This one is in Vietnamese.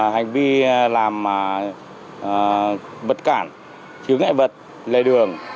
hành vi làm vật cản chứa ngại vật lề đường